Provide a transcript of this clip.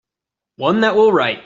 One that will write.